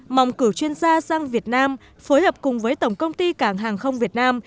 mong cử chuyên gia sang việt nam phối hợp cùng với tổng công ty cảng hàng không việt nam